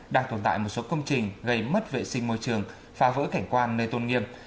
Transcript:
đang tồn tại một số công trình gây mất vệ sinh môi trường phá vỡ cảnh quan nơi tôn nghiêm